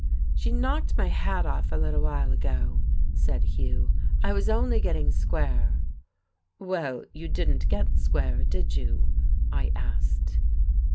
"She knocked my hat off a little while ago," said Hugh. "I was only getting square." "Well, you didn't get square, did you?" I asked.